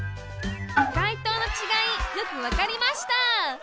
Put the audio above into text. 「がいとう」のちがいよくわかりました